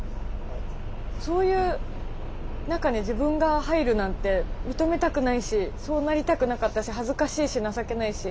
そういう中に自分が入るなんて認めたくないしそうなりたくなかったし恥ずかしいし情けないし